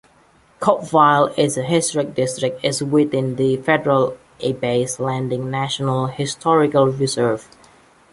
Coupeville is a historic district is within the federal Ebey's Landing National Historical Reserve.